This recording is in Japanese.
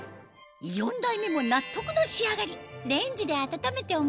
４代目も納得の仕上がり